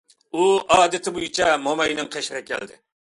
ئۇ ئادىتى بويىچە موماينىڭ قېشىغا كەلدى.